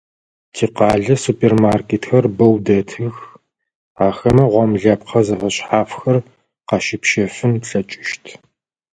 Тикъалэ супермаркетхэр бэу дэтых, ахэмэ гъомлэпхъэ зэфэшъхьафхэр къащыпщэфын плъэкӏыщт.